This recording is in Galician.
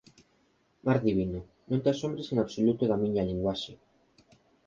Mar divino, non te asombres en absoluto da miña linguaxe.